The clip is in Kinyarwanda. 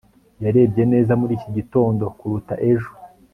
yarebye neza muri iki gitondo kuruta ejo